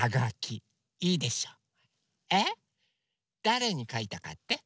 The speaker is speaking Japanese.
だれにかいたかって？